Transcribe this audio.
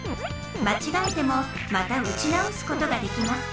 まちがえてもまた撃ち直すことができます